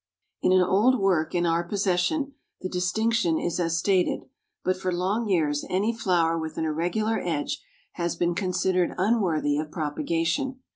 In an old work in our possession, the distinction is as stated, but for long years any flower with an irregular edge has been considered unworthy of propagation.